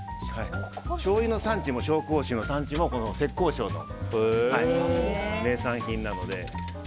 しょうゆの産地も紹興酒の産地もこの浙江省の名産品なので。